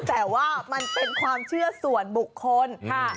แต่ว่ามันเป็นความเชื่อส่วนบุคคลค่ะ